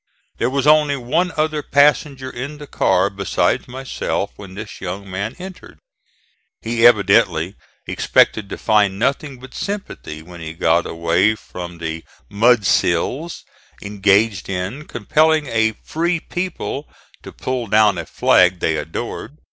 There was only one other passenger in the car besides myself when this young man entered. He evidently expected to find nothing but sympathy when he got away from the "mud sills" engaged in compelling a "free people" to pull down a flag they adored.